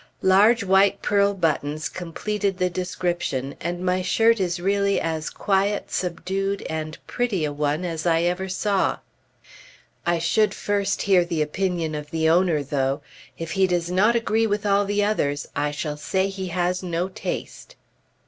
Large white pearl buttons completed the description, and my shirt is really as quiet, subdued, and pretty a one as I ever saw. I should first hear the opinion of the owner, though. If he does not agree with all the others, I shall say he has no taste.